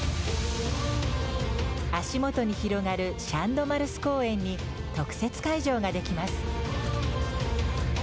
足元に広がるシャン・ド・マルス公園に特設会場ができます。